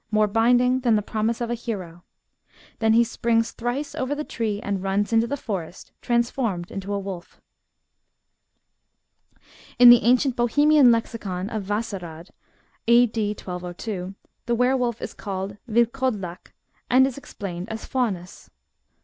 More binding than the promise of a hero !" Then he springs thrice over the tree and runs into the forest, transformed into a wolf."* In the ancient Bohemian Lexicon of Vacerad (a.d. 1202) the were wolf is called vilkodlak, and is explained as faunus.